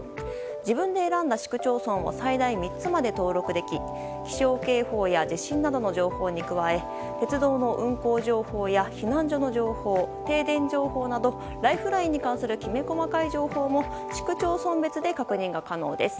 自分で選んだ市区町村を最大３つまで登録でき気象警報や地震などの情報に加え鉄道の運行情報や避難所の情報停電情報などライフラインに関するきめ細かい情報も市区町村別で確認が可能です。